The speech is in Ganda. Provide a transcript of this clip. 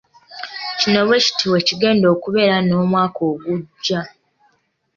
Kino bwe kiti bwe kigenda okubeera n'omwaka ogujja.